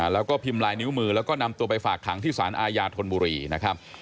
แล้วก็พิมพ์ลายนิ้วมือแล้วก็นำตัวไปฝากขังที่สารอาญาธนบุรีนะครับ